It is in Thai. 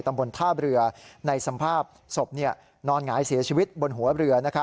ตำบลท่าเรือในสภาพศพนอนหงายเสียชีวิตบนหัวเรือ